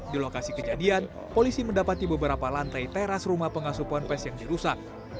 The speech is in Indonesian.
di lokasi kejadian polisi mendapati beberapa lantai teras rumah pengasuh ponpes yang dirusak